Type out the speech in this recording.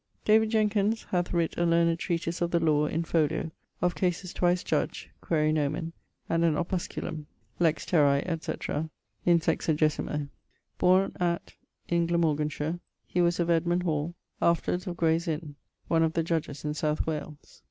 ] David Jenkins hath writt a learned treatise of the lawe, in folio, of cases twice judged (quaere nomen); and an 'opusculum' (Lex terrae, etc.) in 16mo. Borne at ... in Glamorganshire. He was of Edmund Hall. Afterwards of Graye's inne. One of the judges in South Wales.